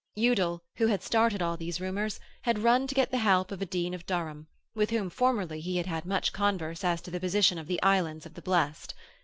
Udal, who had started all these rumours, had run to get the help of a Dean of Durham, with whom formerly he had had much converse as to the position of the Islands of the Blest.